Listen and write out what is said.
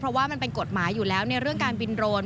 เพราะว่ามันเป็นกฎหมายอยู่แล้วในเรื่องการบินโรน